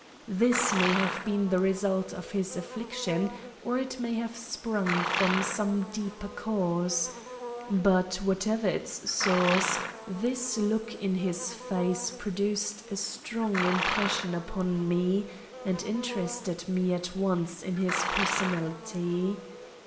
This may have been the result of his affliction, or it may have sprung from some deeper cause; but, whatever its source, this look in his face produced a strong impression upon me and interested me at once in his personality.